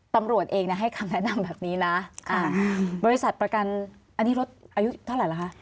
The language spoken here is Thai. ตำรวจเองให้คำแนะนำแบบนี้นะบริษัทประกันอันนี้รถอายุเท่าไหร่เหรอคะ